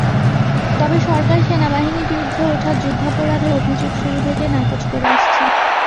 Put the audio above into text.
তবে সরকার সেনাবাহিনীর বিরুদ্ধে ওঠা যুদ্ধাপরাধের অভিযোগ শুরু থেকেই নাকচ করে আসছে।